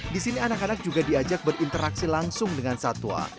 di sini anak anak juga diajak berinteraksi langsung dengan satwa